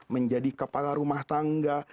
menjadi kepala rumah tangga